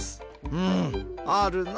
うんあるな。